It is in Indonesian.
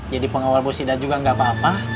jadi pengawal bos idan juga gak apa apa